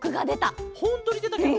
ほんとにでたケロ？